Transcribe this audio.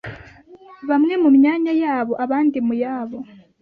bamwe mu myanya yabo, abandi mu yabo.